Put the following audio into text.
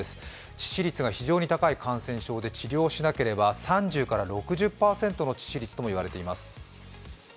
致死率が非常に高い感染症で治療しなければ３０から６０％の致死率ともいわれています。